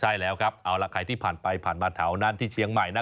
ใช่แล้วครับเอาล่ะใครที่ผ่านไปผ่านมาแถวนั้นที่เชียงใหม่นะ